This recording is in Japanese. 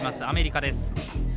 アメリカです。